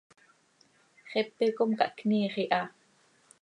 Xepe com cahcniiix iha.